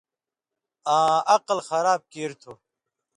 آں عقل خراب کیریۡ تُھو۔